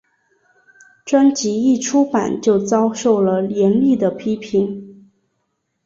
专辑一出版就遭受了严厉的批评。